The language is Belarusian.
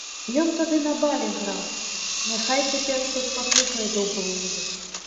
Ён тады на балі граў, няхай цяпер хоць паслухае добрую музыку.